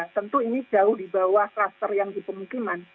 tentu ini jauh di bawah kluster yang di pemukiman